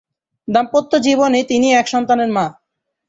দাম্পত্য জীবনে তিনি এক সন্তানের মা।